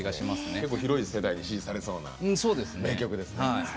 結構広い世代に支持されそうな曲ですね。